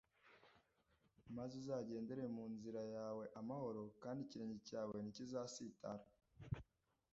maze uzagendere mu nzira yawe amahoro, kandi ikirenge cyawe ntikizasitara